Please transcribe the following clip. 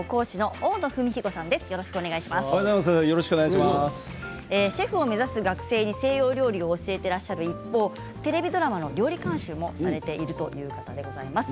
大野さんはシェフを目指す学生に西洋料理を教えていらっしゃる一方、テレビドラマの料理監修もされているという方です。